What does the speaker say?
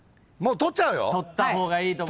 取っちゃうね。